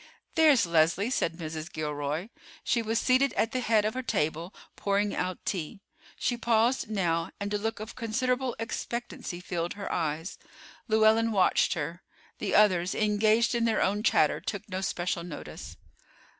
"There's Leslie," said Mrs. Gilroy. She was seated at the head of her table pouring out tea. She paused now, and a look of considerable expectancy filled her eyes. Llewellyn watched her; the others, engaged in their own chatter, took no special notice.